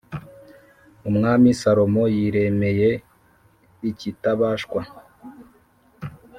Umwami Salomo yiremeye ikitabashwa